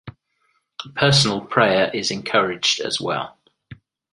Personal prayer is encouraged as well.